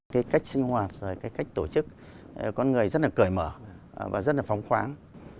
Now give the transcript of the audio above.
cái cách sinh hoạt rồi cái cách tổ chức con người rất là cởi mở và rất là phóng khoáng